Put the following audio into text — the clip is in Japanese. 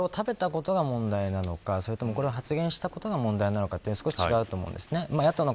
これを食べたことが問題なのかそれとも、これを発言したことが問題なのか少し違うと思うんです。